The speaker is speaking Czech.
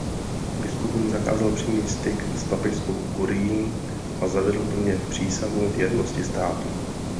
Biskupům zakázal přímý styk s papežskou kurií a zavedl pro ně přísahu věrnosti státu.